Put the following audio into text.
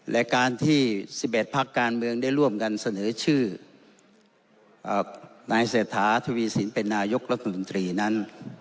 และการที่๑๑พักการเมืองได้ร่วมกันเสนอชื่อนายเศรษฐาทวีสินเป็นนายกรัฐมนตรีนั้น